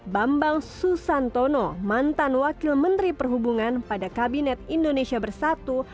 bambang susantono mantan wakil menteri perhubungan pada kabinet indonesia bersatu